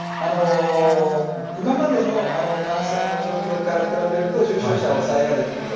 今までの感染の状況から比べると、重症者は抑えられていると。